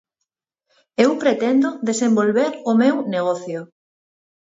Eu pretendo desenvolver o meu negocio.